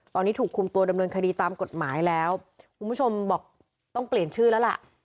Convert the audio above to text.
ตอนนี้ถูกคุมตัวดำเนินคดีตามกฎหมายแล้วคุณผู้ชมบอกต้องเปลี่ยนชื่อแล้วล่ะ